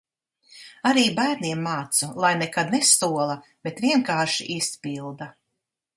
Arī bērniem mācu, lai nekad nesola, bet vienkārši izpilda.